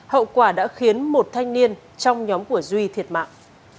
hậu quả đã khiến một thanh niên trong nhóm của duy thiệt mạng